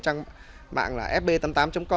rồi một phần dư là